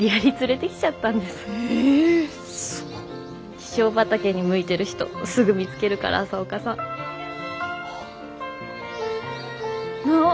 気象畑に向いてる人すぐ見つけるから朝岡さん。あっ。